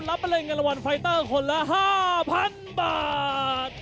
รับเป็นเรื่องระวันไฟเตอร์คนละ๕๐๐๐บาท